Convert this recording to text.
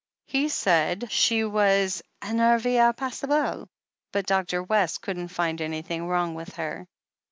He said she was enervee au possible, but Dr. West couldn't find anything wrong with her."